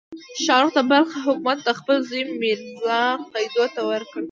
شاهرخ د بلخ حکومت خپل زوی میرزا قیدو ته ورکړ.